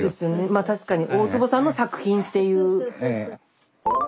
まあ確かに大坪さんの作品っていう。